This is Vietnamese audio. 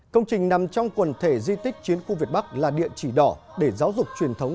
công trình nằm trong quần thể di tích chiến khu việt bắc là địa chỉ đỏ để giáo dục truyền thống